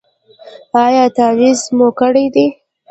ایا تعویذ مو کړی دی؟